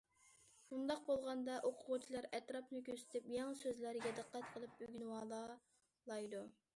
بۇنداق بولغاندا، ئوقۇغۇچىلار ئەتراپنى كۆزىتىپ، يېڭى سۆزلەرگە دىققەت قىلىپ ئۆگىنىۋالالايدۇ.